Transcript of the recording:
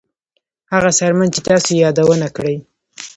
هغه څرمن چې تاسو یې یادونه کړې